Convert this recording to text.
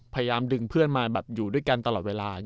พยายามดึงเพื่อนมาแบบอยู่ด้วยกันตลอดเวลา